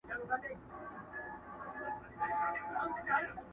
خلک روڼي اوږدې شپې کړي د غوټۍ په تمه تمه؛